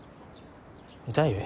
痛い？